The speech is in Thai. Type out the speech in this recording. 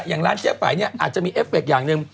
อย่างร้านเจ๊ไฝเนี่ยอาจจะมีเอฟเคอย่างหนึ่ง